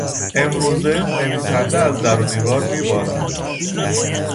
امروزه نویسنده از در و دیوار میبارد.